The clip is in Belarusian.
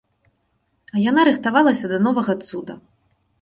А яна рыхтавалася да новага цуда.